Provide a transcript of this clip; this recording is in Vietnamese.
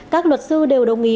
các luật sư đều đồng ý